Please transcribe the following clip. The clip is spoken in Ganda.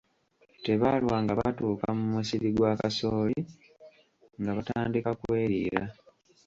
Tebaalwa nga batuuka mu musiri gw'akasooli nga batandika kweriira.